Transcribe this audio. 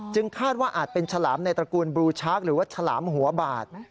คาดว่าอาจเป็นฉลามในตระกูลบรูชาร์คหรือว่าฉลามหัวบาด